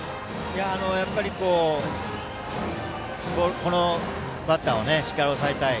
やはり、このバッターをしっかり抑えたい。